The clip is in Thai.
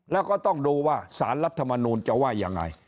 แล้วก็ต้องดูว่าสารรัฐมนูลจะว่ายังไง